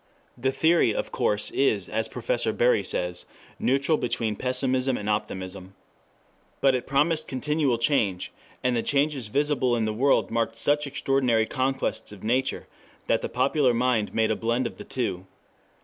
That theory, of course, is, as Professor Bury says, neutral between pessimism and optimism. But it promised continual change, and the changes visible in the world marked such extraordinary conquests of nature, that the popular mind made a blend of the two.